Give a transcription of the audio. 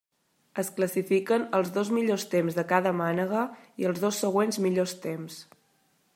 Es classifiquen els dos millors temps de cada mànega i els dos següents millors temps.